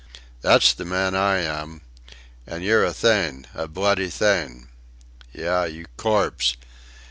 That's the man I am. An' ye're a thing a bloody thing. Yah you corpse!"